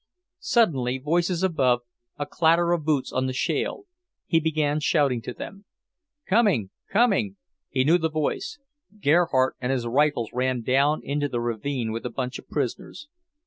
Suddenly, voices above, a clatter of boots on the shale. He began shouting to them. "Coming, coming!" He knew the voice. Gerhardt and his rifles ran down into the ravine with a bunch of prisoners.